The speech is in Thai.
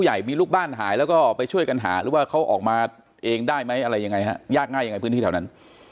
ได้มั้ยอะไรยังไงฮะยากง่ายยังไงพื้นที่แถวนั้น